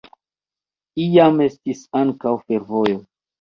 Iam estis ankaŭ fervojo.